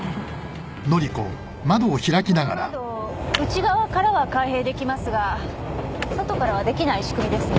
この窓内側からは開閉できますが外からはできない仕組みですね？